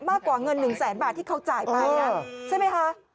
มากกว่าเงิน๑แสนบาทที่เขาจ่ายไปใช่ไหมคะ